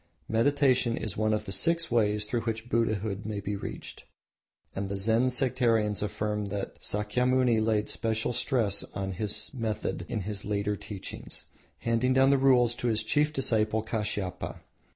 Meditation is one of the six ways through which Buddhahood may be reached, and the Zen sectarians affirm that Sakyamuni laid special stress on this method in his later teachings, handing down the rules to his chief disciple Kashiapa.